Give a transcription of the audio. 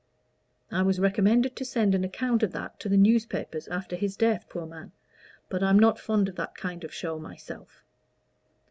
I was recommended to send an account of that to the newspapers after his death, poor man! but I'm not fond of that kind of show myself."